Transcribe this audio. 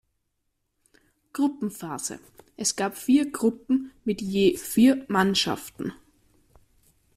Gruppenphase: Es gab vier Gruppen mit je vier Mannschaften.